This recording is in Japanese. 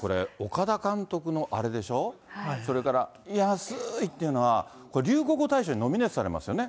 岡田監督のアレでしょ、それから安ーいっていうのは、これ、流行語大賞にノミネートされますよね。